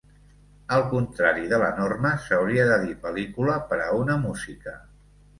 Al contrari de la norma, s'hauria de dir pel·lícula per a una música.